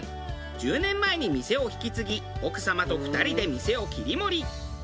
１０年前に店を引き継ぎ奥様と２人で店を切り盛り。